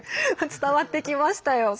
伝わってきましたよ。